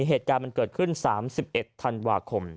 มีเหตุการณ์มันเกิดขึ้นสามสิบเอ็ดธันวาคม